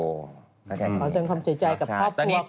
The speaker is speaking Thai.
ขอแสดงความเสียใจกับครอบครัวของโกโก้